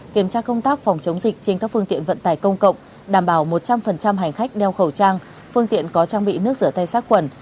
kiểm tra công tác phòng chống dịch trên các phương tiện vận tải công cộng đảm bảo một trăm linh hành khách đeo khẩu trang phương tiện có trang bị nước rửa tay sát khuẩn